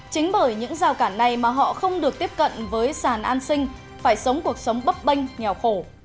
chính bởi những rào cản này mà họ không được tiếp cận với sàn an sinh phải sống cuộc sống bấp bênh nghèo khổ